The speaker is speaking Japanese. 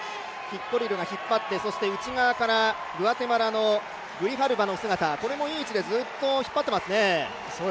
キプコリルが引っ張って、内側からグアテマラのグリハルバの姿、これもいい位置でずっと引っ張っていますね。